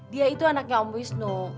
dia itu anaknya om wisnu